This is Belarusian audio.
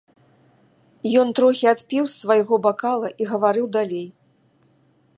Ён трохі адпіў з свайго бакала і гаварыў далей.